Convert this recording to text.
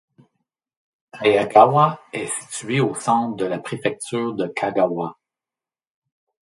Ayagawa est situé au centre de la préfecture de Kagawa.